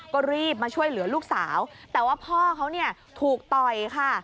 ก็รีบมาช่วยเหลือลูกสาวแต่ว่าพ่อเขาเนี่ยถูกต่อยค่ะ